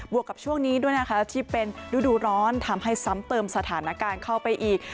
วกกับช่วงนี้ด้วยนะคะที่เป็นฤดูร้อนทำให้ซ้ำเติมสถานการณ์เข้าไปอีก